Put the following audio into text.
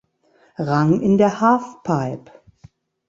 Rang in der Halfpipe.